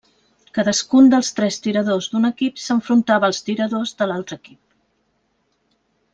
Cadascun dels tres tiradors d'un equip s'enfrontava als tiradors de l'altre equip.